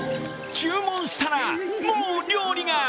注文したらもう料理が！